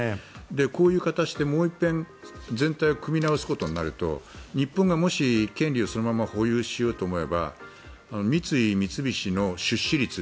こういう形でもう一遍全体を組み直すことになると日本がもし、権利をそのまま保有しようと思えば三井、三菱の出資率